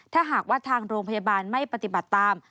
ถ้าหากว่าทางโรงพยาบาลไม่ปฏิบัติตาม